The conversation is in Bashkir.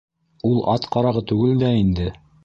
Ул ат ҡарағы түгел дә инде.